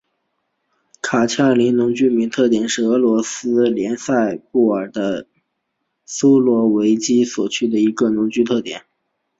卡恰林农村居民点是俄罗斯联邦伏尔加格勒州苏罗维基诺区所属的一个农村居民点。